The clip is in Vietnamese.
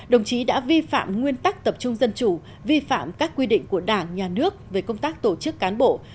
đồng chí đã vi phạm nguyên tắc tập trung dân chủ vi phạm các quy định của đảng nhà nước về công tác tổ chức cán bộ